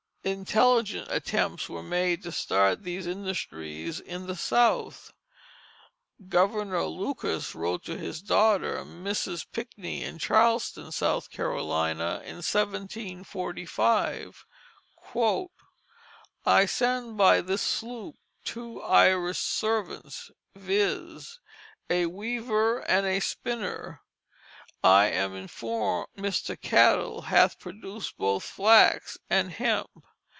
Intelligent attempts were made to start these industries in the South. Governor Lucas wrote to his daughter, Mrs. Pinckney, in Charleston, South Carolina, in 1745: "I send by this Sloop two Irish servants, viz.: a Weaver and a Spinner. I am informed Mr. Cattle hath produced both Flax and Hemp.